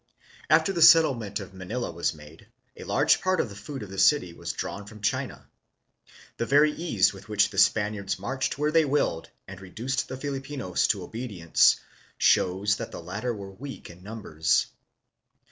After the settlement of Manila was made, a large part of the food of the city was drawn from China. The very ease with which the Spaniards marched where thej r willed and reduced the Filipinos to obedience shows that the latter were weak in numbers.